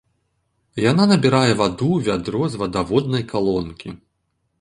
Яна набірае ваду ў вядро з вадаводнай калонкі.